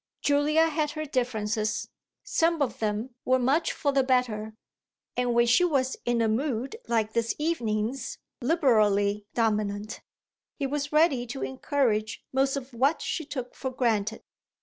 Julia had her differences some of them were much for the better; and when she was in a mood like this evening's, liberally dominant, he was ready to encourage most of what she took for granted.